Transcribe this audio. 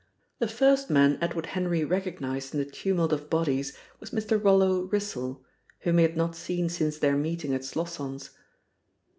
The first man Edward Henry recognised in the tumult of bodies was Mr. Rollo Wrissell, whom he had not seen since their meeting at Slosson's.